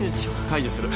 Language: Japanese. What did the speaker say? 解除する。